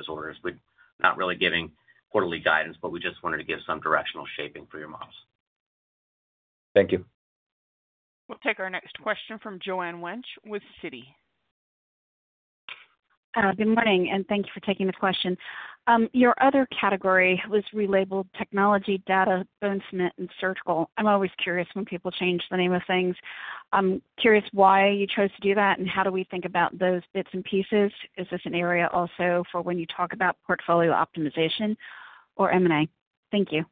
orders. We're not really giving quarterly guidance, but we just wanted to give some directional shaping for your models. Thank you. We'll take our next question from Joanne Wuensch with Citi. Good morning, and thank you for taking the question. Your other category was relabeled technology, data, bone cement, and surgical. I'm always curious when people change the name of things. I'm curious why you chose to do that and how do we think about those bits and pieces. Is this an area also for when you talk about portfolio optimization or M&A? Thank you.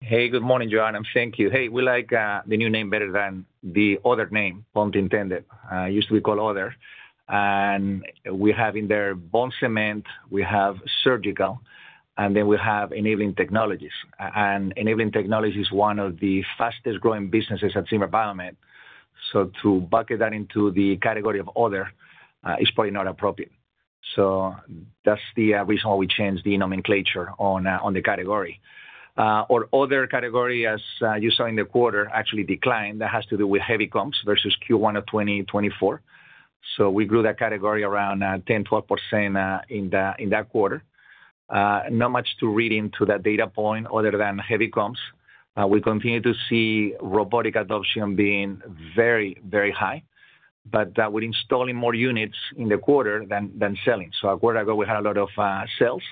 Hey, good morning, Joanne. Thank you. Hey, we like the new name better than the other name, pun intended. It used to be called other. And we have in there bone cement, we have surgical, and then we have enabling technologies. And enabling technology is one of the fastest-growing businesses at Zimmer Biomet. To bucket that into the category of other is probably not appropriate. That is the reason why we changed the nomenclature on the category. Our other category, as you saw in the quarter, actually declined. That has to do with heavy comps versus Q1 of 2024. We grew that category around 10-12% in that quarter. Not much to read into that data point other than heavy comps. We continue to see robotic adoption being very, very high, but we're installing more units in the quarter than selling. A quarter ago, we had a lot of sales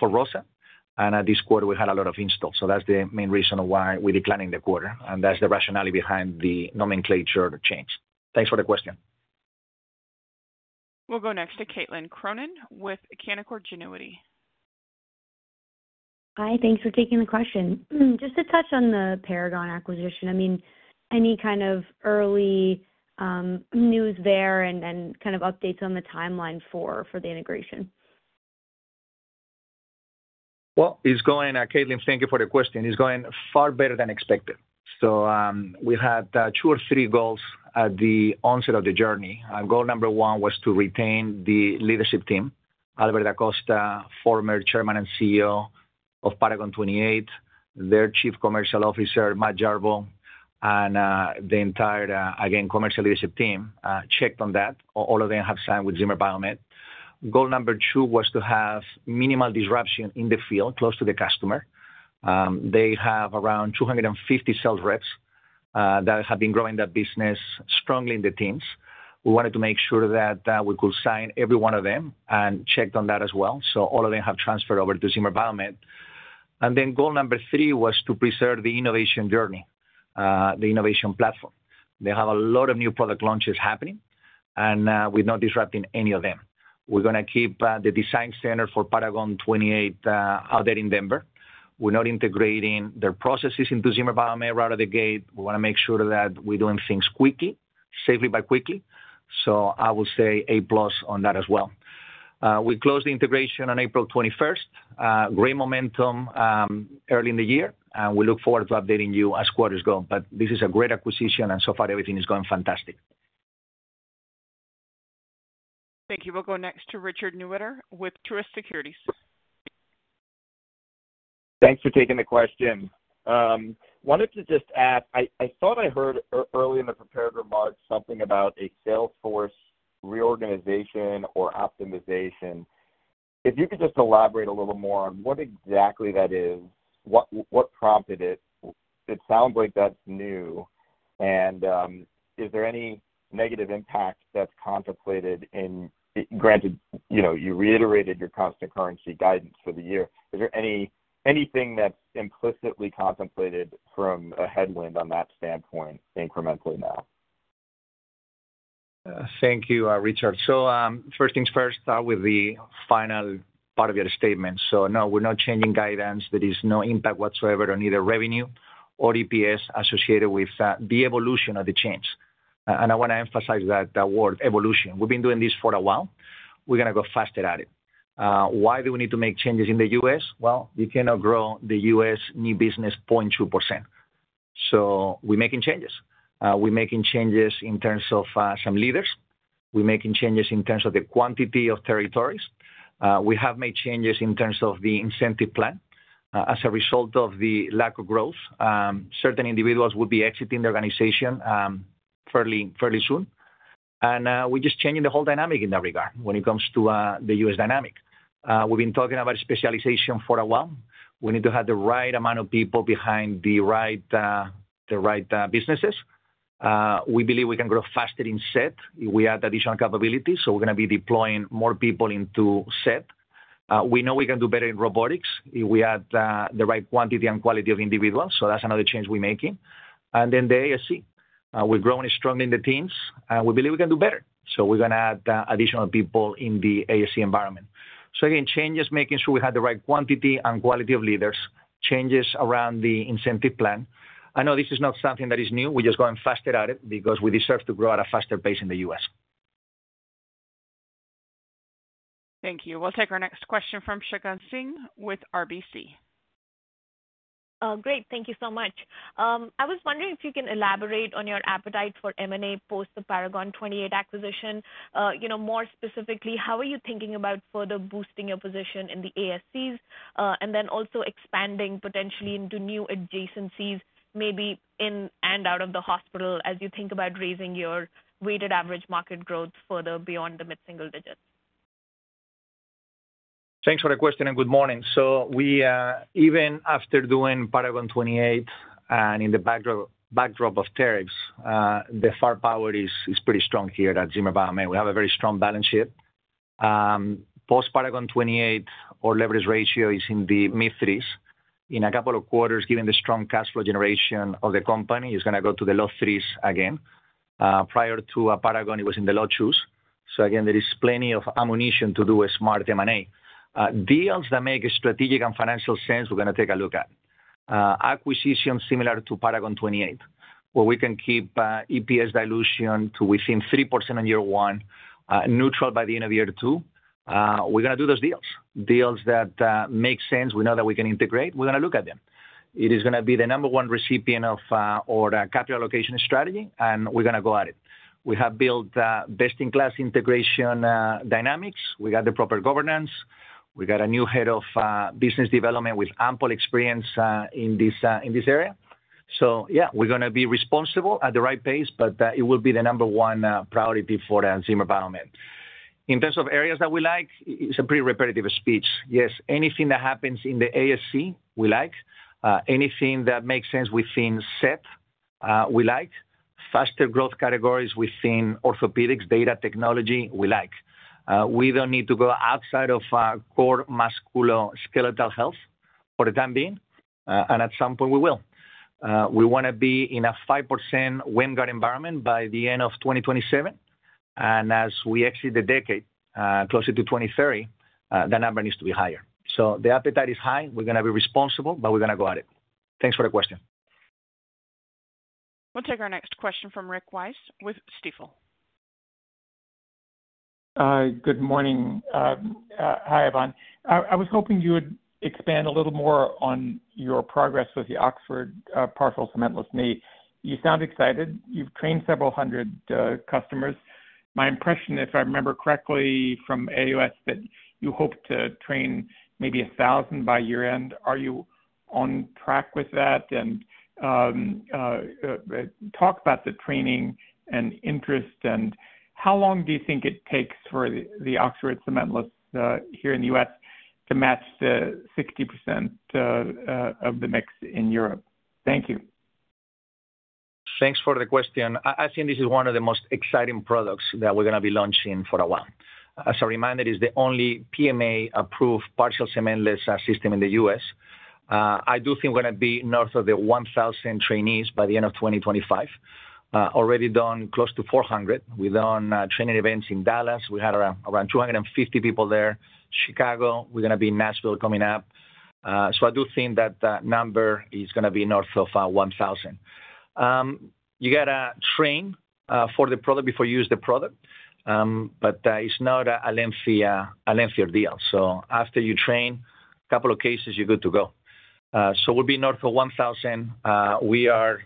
for ROSA, and this quarter, we had a lot of installs. That's the main reason why we're declining the quarter, and that's the rationale behind the nomenclature change. Thanks for the question. We'll go next to Caitlin Cronin with Canaccord Genuity. Hi. Thanks for taking the question. Just to touch on the Paragon 28 acquisition, I mean, any kind of early news there and kind of updates on the timeline for the integration? It's going—Caitlin, thank you for the question—it's going far better than expected. We had two or three goals at the onset of the journey. Goal number one was to retain the leadership team. Albert DaCosta, former Chairman and CEO of Paragon 28, their Chief Commercial Officer, Matt Jarboe, and the entire, again, commercial leadership team checked on that. All of them have signed with Zimmer Biomet. Goal number two was to have minimal disruption in the field close to the customer. They have around 250 sales reps that have been growing that business strongly in the teams. We wanted to make sure that we could sign every one of them and checked on that as well. All of them have transferred over to Zimmer Biomet. Goal number three was to preserve the innovation journey, the innovation platform. They have a lot of new product launches happening, and we're not disrupting any of them. We're going to keep the design center for Paragon 28 out there in Denver. We're not integrating their processes into Zimmer Biomet right out of the gate. We want to make sure that we're doing things quickly, safely by quickly. I will say A-plus on that as well. We closed the integration on April 21, great momentum early in the year, and we look forward to updating you as quarters go. This is a great acquisition, and so far, everything is going fantastic. Thank you. We'll go next to Richard Newitter with Truist Securities. Thanks for taking the question. Wanted to just ask, I thought I heard early in the prepared remarks something about a sales force reorganization or optimization. If you could just elaborate a little more on what exactly that is, what prompted it? It sounds like that's new. Is there any negative impact that's contemplated in—granted, you reiterated your constant currency guidance for the year. Is there anything that's implicitly contemplated from a headwind on that standpoint incrementally now? Thank you, Richard. First things first, start with the final part of your statement. No, we're not changing guidance. There is no impact whatsoever on either revenue or EPS associated with the evolution of the change. I want to emphasize that word, evolution. We've been doing this for a while. We're going to go faster at it. Why do we need to make changes in the US? You cannot grow the US knee business 0.2%. We're making changes. We're making changes in terms of some leaders. We're making changes in terms of the quantity of territories. We have made changes in terms of the incentive plan. As a result of the lack of growth, certain individuals would be exiting the organization fairly soon. We're just changing the whole dynamic in that regard when it comes to the US dynamic. We've been talking about specialization for a while. We need to have the right amount of people behind the right businesses. We believe we can grow faster in S.E.T. if we add additional capabilities. We're going to be deploying more people into S.E.T. We know we can do better in robotics if we add the right quantity and quality of individuals. That's another change we're making. The ASC, we're growing strongly in the teams, and we believe we can do better. We're going to add additional people in the ASC environment. Again, changes, making sure we have the right quantity and quality of leaders, changes around the incentive plan. I know this is not something that is new. We're just going faster at it because we deserve to grow at a faster pace in the US. Thank you. We'll take our next question from Shagun Singh with RBC. Great. Thank you so much. I was wondering if you can elaborate on your appetite for M&A post the Paragon 28 acquisition. More specifically, how are you thinking about further boosting your position in the ASCs and then also expanding potentially into new adjacencies maybe in and out of the hospital as you think about raising your weighted average market growth further beyond the mid-single digits? Thanks for the question and good morning. Even after doing Paragon 28 and in the backdrop of tariffs, the firepower is pretty strong here at Zimmer Biomet. We have a very strong balance sheet. Post Paragon 28, our leverage ratio is in the mid-threes. In a couple of quarters, given the strong cash flow generation of the company, it's going to go to the low-threes again. Prior to Paragon, it was in the low-twos. Again, there is plenty of ammunition to do a smart M&A. Deals that make strategic and financial sense, we're going to take a look at. Acquisitions similar to Paragon 28, where we can keep EPS dilution to within 3% on year one, neutral by the end of year two. We're going to do those deals. Deals that make sense, we know that we can integrate. We're going to look at them. It is going to be the number one recipient of our capital allocation strategy, and we're going to go at it. We have built best-in-class integration dynamics. We got the proper governance. We got a new head of business development with ample experience in this area. Yeah, we're going to be responsible at the right pace, but it will be the number one priority for Zimmer Biomet. In terms of areas that we like, it's a pretty repetitive speech. Yes, anything that happens in the ASC, we like. Anything that makes sense within S.E.T., we like. Faster growth categories within orthopedics, data technology, we like. We don't need to go outside of core musculoskeletal health for the time being, and at some point, we will. We want to be in a 5% WAMGR environment by the end of 2027. As we exit the decade, closer to 2030, that number needs to be higher. The appetite is high. We're going to be responsible, but we're going to go at it. Thanks for the question. We'll take our next question from Rick Wise with Stifel. Good morning. Hi, Ivan. I was hoping you would expand a little more on your progress with the Oxford Partial Cementless Knee. You sound excited. You've trained several hundred customers. My impression, if I remember correctly from AAOS, is that you hope to train maybe 1,000 by year-end. Are you on track with that? Talk about the training and interest. How long do you think it takes for the Oxford Partial Cementless Knee here in the U.S. to match the 60% of the mix in Europe? Thank you. Thanks for the question. This is one of the most exciting products that we're going to be launching for a while. As a reminder, it is the only PMA-approved partial cementless system in the U.S. I do think we're going to be north of the 1,000 trainees by the end of 2025. Already done close to 400. We've done training events in Dallas. We had around 250 people there. Chicago, we're going to be in Nashville coming up. I do think that number is going to be north of 1,000. You got to train for the product before you use the product, but it's not a lengthier deal. After you train, a couple of cases, you're good to go. We'll be north of 1,000. We are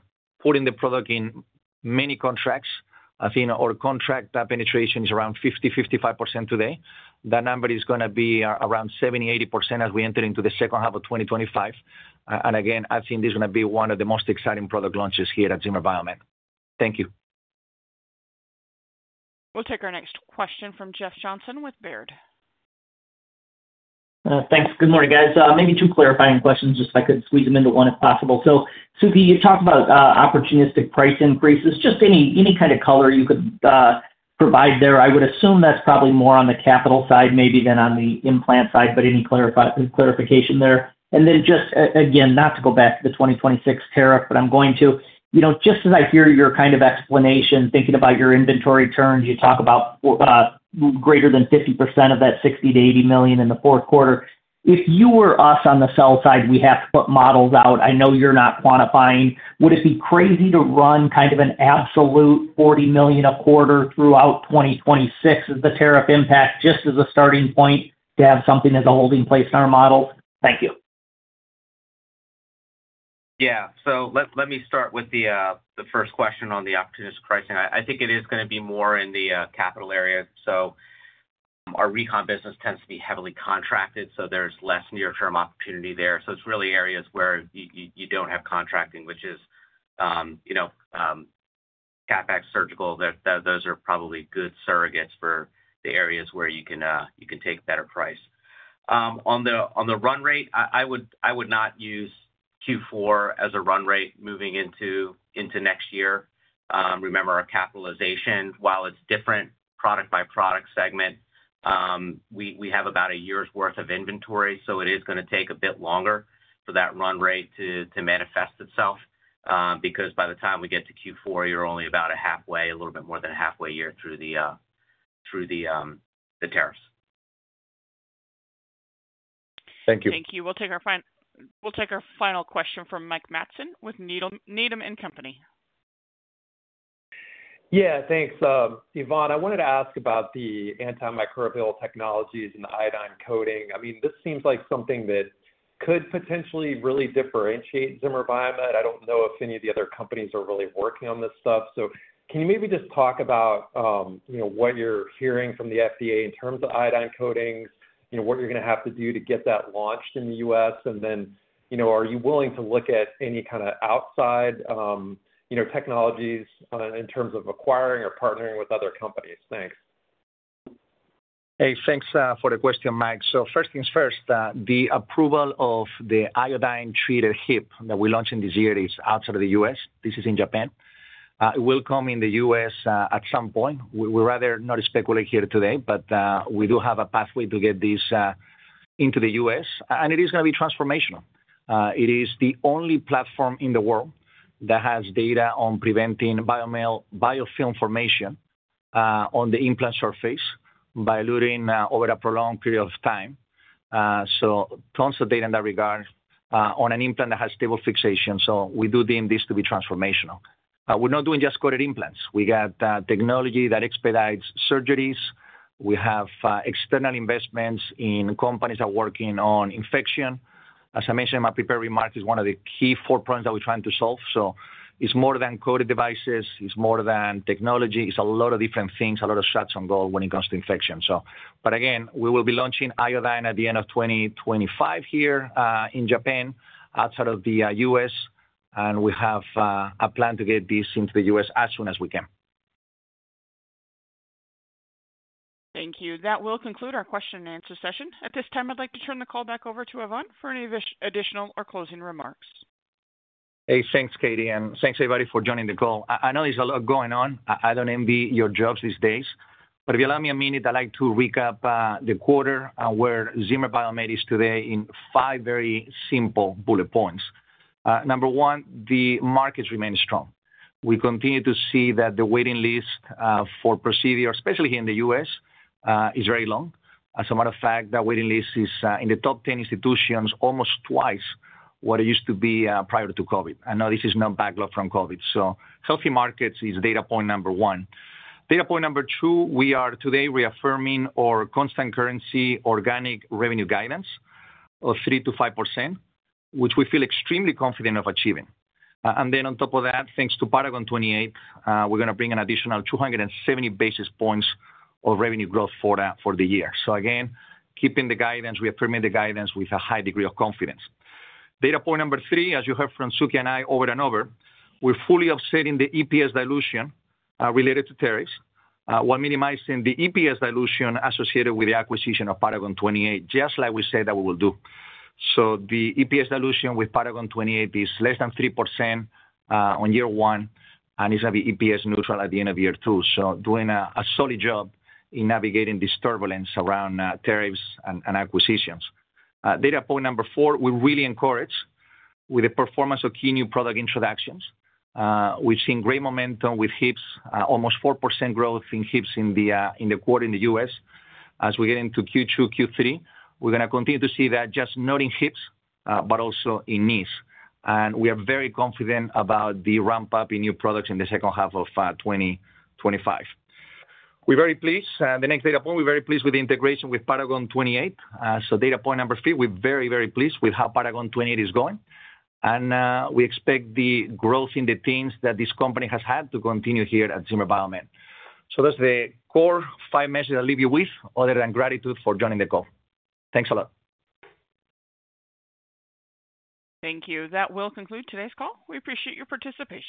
putting the product in many contracts. I think our contract penetration is around 50-55% today. That number is going to be around 70-80% as we enter into the second half of 2025. Again, I think this is going to be one of the most exciting product launches here at Zimmer Biomet. Thank you. We'll take our next question from Jeff Johnson with Baird. Thanks. Good morning, guys. Maybe two clarifying questions just so I could squeeze them into one if possible. Suky, you talked about opportunistic price increases. Just any kind of color you could provide there. I would assume that's probably more on the capital side maybe than on the implant side, but any clarification there? Just, again, not to go back to the 2026 tariff, but I'm going to. Just as I hear your kind of explanation, thinking about your inventory turns, you talk about greater than 50% of that $60 to 80 million in the Q4. If you were us on the sell side, we have to put models out. I know you're not quantifying. Would it be crazy to run kind of an absolute $40 million a quarter throughout 2026 as the tariff impact just as a starting point to have something as a holding place in our models? Thank you. Yeah. Let me start with the first question on the opportunistic pricing. I think it is going to be more in the capital area. Our recon business tends to be heavily contracted, so there's less near-term opportunity there. It is really areas where you do not have contracting, which is CapEx, surgical. Those are probably good surrogates for the areas where you can take better price. On the run rate, I would not use Q4 as a run rate moving into next year. Remember, our capitalization, while it is different product-by-product segment, we have about a year's worth of inventory, so it is going to take a bit longer for that run rate to manifest itself because by the time we get to Q4, you are only about a halfway, a little bit more than a halfway year through the tariffs. Thank you. Thank you. We will take our final question from Mike Matson with Needham & Company. Yeah. Thanks, Ivan. I wanted to ask about the antimicrobial technologies and the iodine coating. I mean, this seems like something that could potentially really differentiate Zimmer Biomet. I do not know if any of the other companies are really working on this stuff. Can you maybe just talk about what you are hearing from the FDA in terms of iodine coatings, what you are going to have to do to get that launched in the US? Are you willing to look at any kind of outside technologies in terms of acquiring or partnering with other companies? Thanks. Hey, thanks for the question, Mike. First things first, the approval of the iodine-treated hip that we launched in this year is outside of the US. This is in Japan. It will come in the US at some point. We'd rather not speculate here today, but we do have a pathway to get this into the US. It is going to be transformational. It is the only platform in the world that has data on preventing biofilm formation on the implant surface by eluting over a prolonged period of time. Tons of data in that regard on an implant that has stable fixation. We do deem this to be transformational. We're not doing just coated implants. We have technology that expedites surgeries. We have external investments in companies that are working on infection. As I mentioned, my prepared remark is one of the key four problems that we're trying to solve. It's more than coated devices. It's more than technology. It's a lot of different things, a lot of shots on goal when it comes to infection. Again, we will be launching iodine at the end of 2025 here in Japan outside of the U.S. We have a plan to get this into the U.S. as soon as we can. Thank you. That will conclude our question-and-answer session. At this time, I'd like to turn the call back over to Ivan for any additional or closing remarks. Hey, thanks, Katie. Thanks, everybody, for joining the call. I know there's a lot going on. I don't envy your jobs these days. If you allow me a minute, I'd like to recap the quarter and where Zimmer Biomet is today in five very simple bullet points. Number one, the markets remain strong. We continue to see that the waiting list for procedure, especially here in the U.S., is very long. As a matter of fact, that waiting list is in the top 10 institutions almost twice what it used to be prior to COVID. I know this is no backlog from COVID. Healthy markets is data point number one. Data point number two, we are today reaffirming our constant currency organic revenue guidance of 3-5%, which we feel extremely confident of achieving. On top of that, thanks to Paragon 28, we're going to bring an additional 270 basis points of revenue growth for the year. Again, keeping the guidance, reaffirming the guidance with a high degree of confidence. Data point number three, as you heard from Suky and I over and over, we're fully offsetting the EPS dilution related to tariffs while minimizing the EPS dilution associated with the acquisition of Paragon 28, just like we said that we will do. The EPS dilution with Paragon 28 is less than 3% on year one, and it's going to be EPS neutral at the end of year two. Doing a solid job in navigating this turbulence around tariffs and acquisitions. Data point number four, we really encourage with the performance of key new product introductions. We've seen great momentum with HIPS, almost 4% growth in HIPS in the quarter in the US. As we get into Q2, Q3, we're going to continue to see that just not in HIPS, but also in knees. We are very confident about the ramp-up in new products in the second half of 2025. We're very pleased. The next data point, we're very pleased with the integration with Paragon 28. Data point number three, we're very, very pleased with how Paragon 28 is going. We expect the growth in the teams that this company has had to continue here at Zimmer Biomet. That is the core five messages I will leave you with other than gratitude for joining the call. Thanks a lot. Thank you. That will conclude today's call. We appreciate your participation.